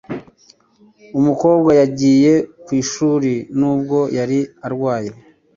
Umukobwa yagiye ku ishuri nubwo yari arwaye.